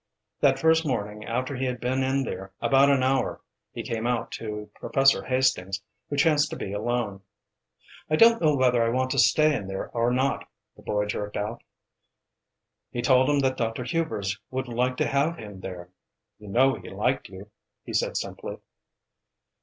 That first morning, after he had been in there about an hour, he came out to Professor Hastings, who chanced to be alone. "I don't know whether I want to stay in there or not," the boy jerked out. He told him that Dr. Hubers would like to have him there. "You know he liked you," he said simply.